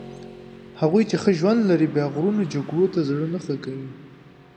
هغوی چې ښه ژوند لري بیا د غرونو جګړو ته زړه نه ښه کوي.